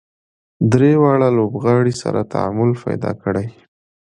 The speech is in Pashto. درې واړه لوبغاړي سره تعامل پیدا کړي.